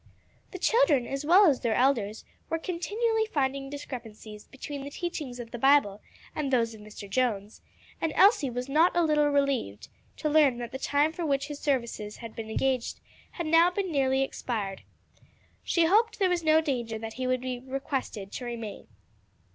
The children as well as their elders were continually finding discrepancies between the teachings of the Bible and those of Mr. Jones, and Elsie was not a little relieved to learn that the time for which his services had been engaged had now nearly expired. She hoped there was no danger that he would be requested to remain.